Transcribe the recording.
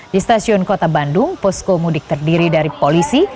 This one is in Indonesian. di stasiun kota bandung poskomudik terdiri dari polisi